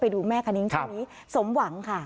ไปดูแม่คนนิ้งเท่านี้สมหวังค่ะ